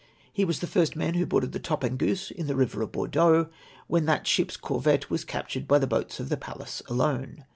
He was the first man who boarded the Tajjageusa in the river of Bordeaux, when that ship's corvette was captured by the boats of the Pallas alone.